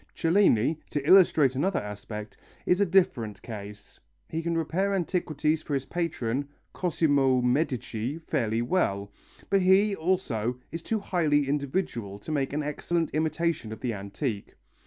Cellini, to illustrate another aspect, is a different case. He can repair antiquities for his patron, Cosimo Medici, fairly well, but he, also, is too highly individual to make an excellent imitation of the antique.